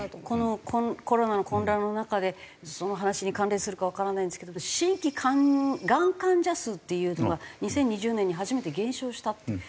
このコロナの混乱の中でその話に関連するかわからないんですけれど新規がん患者数っていうのが２０２０年に初めて減少したって。